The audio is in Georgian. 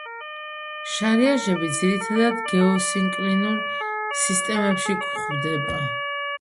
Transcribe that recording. შარიაჟები ძირითადად გეოსინკლინურ სისტემებში გვხვდება.